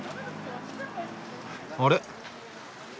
あれ？